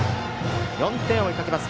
４点を追いかけます